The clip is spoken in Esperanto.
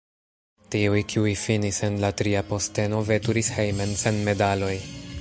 Tiuj, kiuj finis en la tria posteno, veturis hejmen sen medaloj.